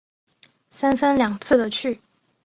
三番两次的去